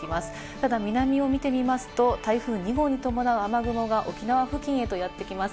ただ、南を見てみますと、台風２号に伴う雨雲が沖縄付近へとやってきます。